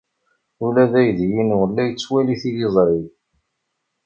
Ula d aydi-inu la yettwali tiliẓri.